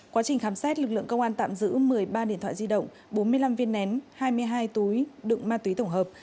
quá trình khám xét lực lượng công an tạm giữ một mươi ba điện thoại di động bốn mươi năm viên nén hai mươi hai túi đựng ma túy tổng hợp